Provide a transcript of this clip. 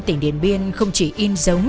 tỉnh điền biên không chỉ in giống